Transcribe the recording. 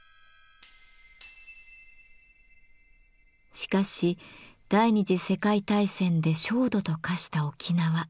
しかし第二次世界大戦で焦土と化した沖縄。